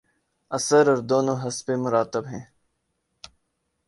اثر اور دونوں حسب مراتب ہیں۔